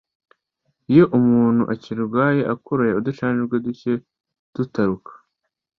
iyo umuntu ukirwaye akoroye, uducandwe duke dutaruka